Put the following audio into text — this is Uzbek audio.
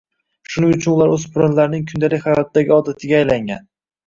shuning uchun ular o‘spirinlarning kundalik hayotdagi odatiga aylangan.